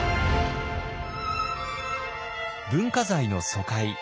文化財の疎開。